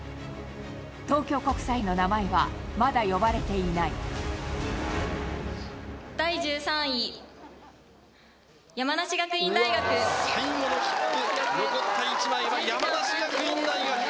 東京国際の名前は、まだ呼ばれて第１３位、最後の切符、残った１枚は山梨学院大学。